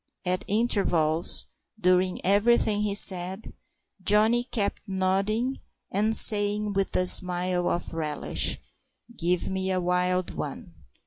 At intervals, during everything he said, Johnny kept nodding and saying, with a smile of relish: "Give me a wild one!"